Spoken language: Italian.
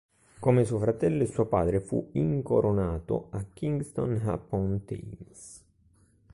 Come suo fratello e suo padre fu incoronato a Kingston upon Thames.